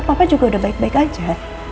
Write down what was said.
papa juga udah baik baik aja